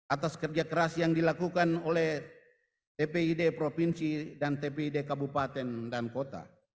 atas kerja keras yang dilakukan oleh tpid provinsi dan tpid kabupaten dan kota